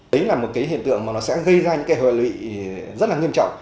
đấy là một hiện tượng gây ra những hồi lụy rất nghiêm trọng